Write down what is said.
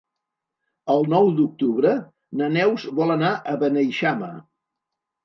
El nou d'octubre na Neus vol anar a Beneixama.